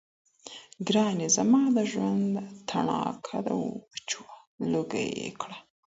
ګراني! زما د ژوند تڼاكه وچووه لوګـى يـې كړه